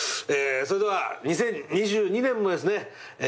それでは２０２２年もですね